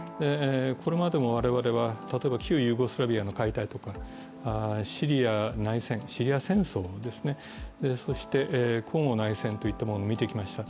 これまでも我々は旧ユーゴスラビアの解体とかシリア内戦、シリア戦争、そしてコンゴ内戦を見てきました。